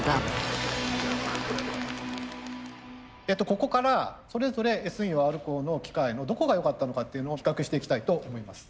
ここからそれぞれＳ陽Ｒコーの機械のどこが良かったのかっていうのを比較していきたいと思います。